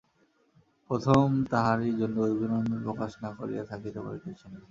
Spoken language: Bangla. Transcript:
প্রথমে তাহারই জন্য অভিনন্দন প্রকাশ না করিয়া থাকিতে পারিতেছি না।